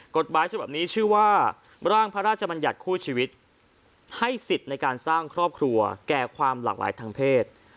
กฎหมายฉบับนี้ชื่อว่าร่างพระราชบัญญัติคู่ชีวิตให้สิทธิ์ในการสร้างครอบครัวแก่ความหลากหลายทางเพศ